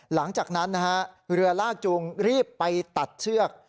หลังจากนั้นนะฮะเรือลากจูงรีบไปตัดเชือก